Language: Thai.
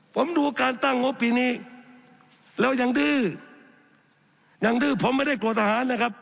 ผมดูการตั้งงบปีนี้แล้วยังดื้อยังดื้อผมไม่ได้โกรธทหารนะครับ